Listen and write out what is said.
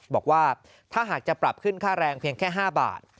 บอกว่าถ้าหากจะปรับขึ้นค่าแรงเพียงแค่๕บาท